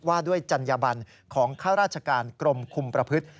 ว่าด้วยจัญญบันของข้าราชการกรมคุมประพฤติ